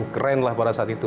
keren lah pada saat itu